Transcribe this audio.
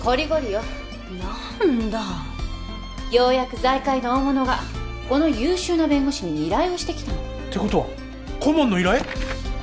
ようやく財界の大物がこの優秀な弁護士に依頼をしてきたの。ってことは顧問の依頼！？